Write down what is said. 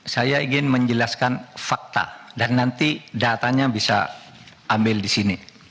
saya ingin menjelaskan fakta dan nanti datanya bisa ambil di sini